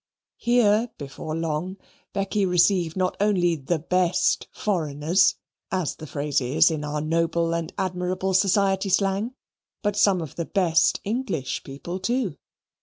Here, before long, Becky received not only "the best" foreigners (as the phrase is in our noble and admirable society slang), but some of the best English people too.